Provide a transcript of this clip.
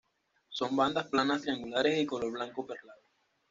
Son bandas planas triangulares y de color blanco perlado.